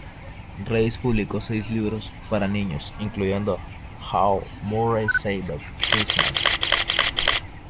Reiss publicó seis libros para niños, incluyendo "How Murray Saved Christmas".